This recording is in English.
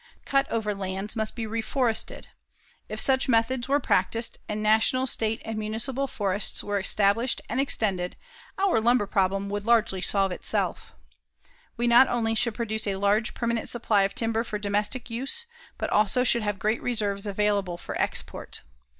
Cut over lands must be reforested. If such methods were practiced, and national, state and municipal forests were established and extended, our lumber problem would largely solve itself. We not only should produce a large permanent supply of timber for domestic use, but also should have great reserves available for export.